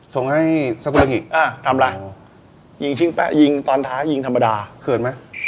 ส่งให้สักเรื่องอีกอ่ะทำอะไรยิงตอนท้ายยิงธรรมดาเขินมั้ย